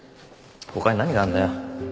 ほかに何があんだよ